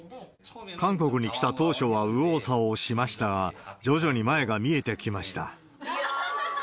韓国に来た当初は右往左往しましたが、徐々に前が見えてきました。